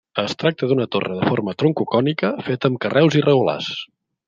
Es tracta d'una torre de forma troncocònica feta amb carreus irregulars.